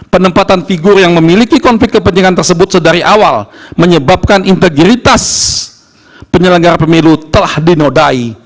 penempatan figur yang memiliki konflik kepentingan tersebut sedari awal menyebabkan integritas penyelenggara pemilu telah dinodai